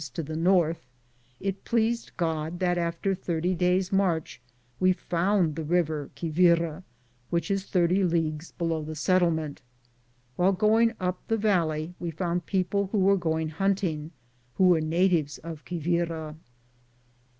to the north) it pleased God that after thirty days' march we found the river Quivira, which is 30 leagues below the settlement. While going up the valley, we found people who were going hunting, who were natives of Quivira.